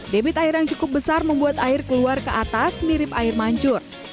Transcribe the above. debit air yang cukup besar membuat air keluar ke atas mirip air mancur